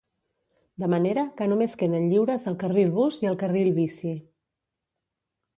De manera que només queden lliures el carril bus i el carril bici.